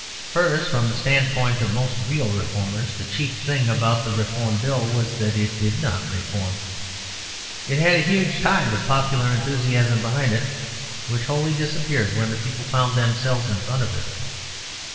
First, from the standpoint of most real reformers, the chief thing about the Reform Bill was that it did not reform. It had a huge tide of popular enthusiasm behind it, which wholly disappeared when the people found themselves in front of it.